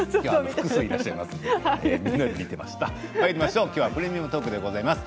きょうは「プレミアムトーク」です。